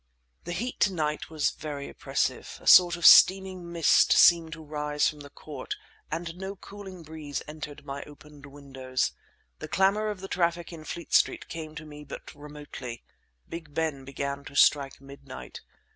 The heat to night was very oppressive. A sort of steaming mist seemed to rise from the court, and no cooling breeze entered my opened windows. The clamour of the traffic in Fleet Street came to me but remotely. Big Ben began to strike midnight.